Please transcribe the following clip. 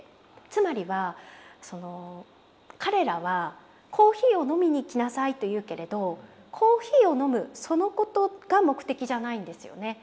つまりは彼らはコーヒーを飲みに来なさいと言うけれどコーヒーを飲むそのことが目的じゃないんですよね。